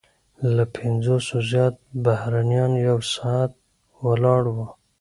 له پنځوسو زیات بهرنیان یو ساعت ولاړ وو.